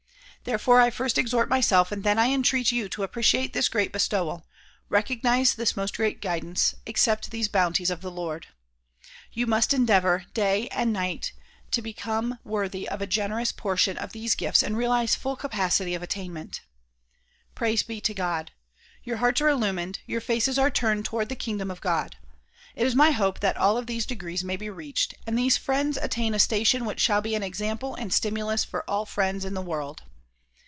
Therefore I first exhort myself and then I entreat you to appreciate this great bestowal, recognize this most great guidance, accept these bounties of the Lord. You must endeavor day and night to become worthy of a generous portion of these gifts and realize full capacity of attainment. Praise be to God! your hearts are illumined, your faces are turned toward the kingdom of God. It is my hope that all of these degrees may be reached and these friends attain a station which shall be an example and stimulus for all friends in the world.